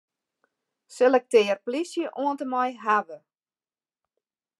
Selektearje 'plysje' oant en mei 'hawwe'.